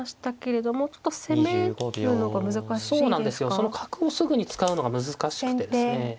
その角をすぐに使うのが難しくてですね。